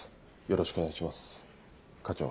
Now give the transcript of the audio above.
よろしくお願いします課長。